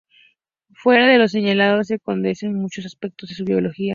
Fuera de lo señalado se desconocen muchos aspectos de su biología.